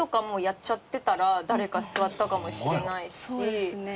そうですね。